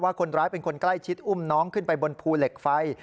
คนร้ายเป็นคนใกล้ชิดอุ้มน้องขึ้นไปบนภูเหล็กไฟ